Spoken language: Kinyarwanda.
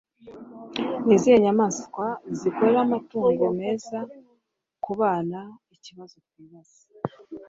Ni izihe nyamaswa zikora amatungo meza kubanaikibazo twibaza